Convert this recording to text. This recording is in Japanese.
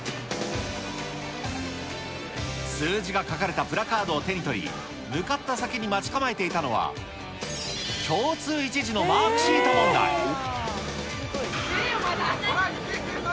数字が書かれたプラカードを手に取り、向かった先に待ち構えていたのは、塗れよ、まだ。